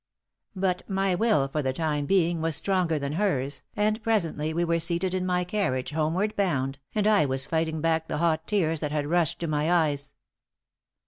But my will for the time being was stronger than hers, and presently we were seated in my carriage, homeward bound, and I was fighting back the hot tears that had rushed to my eyes.